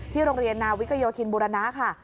โรงเรียนนาวิกโยธินบุรณะค่ะ